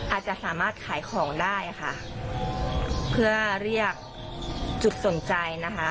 อาจจะสามารถขายของได้ค่ะเพื่อเรียกจุดสนใจนะคะ